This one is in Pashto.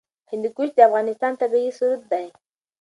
هندوکش د افغانستان طبعي ثروت دی.